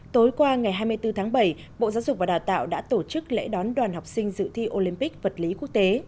tối qua ngày hai mươi bốn tháng bảy bộ giáo dục và đào tạo đã tổ chức lễ đón đoàn học sinh dự thi olympic vật lý quốc tế